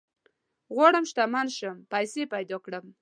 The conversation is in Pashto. غواړم شتمن شم ، پيسي پيدا کړم